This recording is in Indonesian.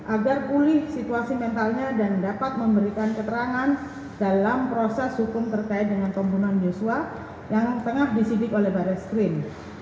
agar pulih situasi mentalnya dan dapat memberikan keterangan dalam proses hukum terkait dengan pembunuhan yosua yang tengah disidik oleh baris krim